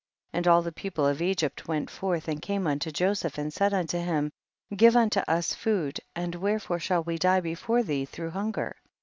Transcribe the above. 26. And all the people of Egypt went forth and came unto Joseph, and said unto him, give unto us food and wherefore shall we die before thee through hunger